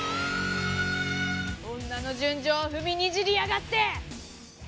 女の純情を踏みにじりやがって！